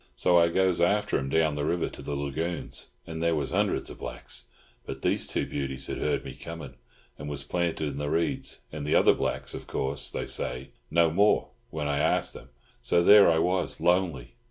"So I goes after 'em down the river to the lagoons, and there was hundreds of blacks; but these two beauties had heard me coming, and was planted in the reeds, and the other blacks, of course, they says, "No more" when I arst them. So there I was, lonely.